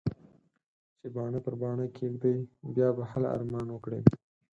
چې باڼه پر باڼه کېږدې؛ بيا به هله ارمان وکړې.